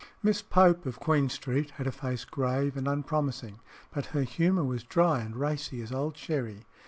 Miss Pope, of Queen Street, had a face grave and unpromising, but her humour was dry and racy as old sherry.